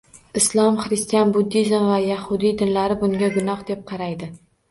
Islom, xristian, buddizm va yahudiy dinlari bunga gunoh deb qaraydi.